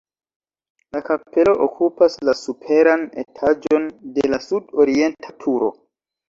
La kapelo okupas la superan etaĝon de la sud-orienta turo.